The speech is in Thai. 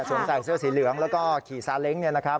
ใส่เสื้อสีเหลืองแล้วก็ขี่ซาเล้งเนี่ยนะครับ